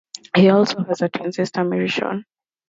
He also has a twin sister, Mary Shawn.